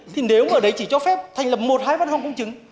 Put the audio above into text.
thì nếu ở đấy chỉ cho phép thành lập một hai văn phòng công chứng